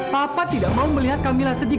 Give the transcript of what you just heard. papa tidak mau melihat kamilah sedih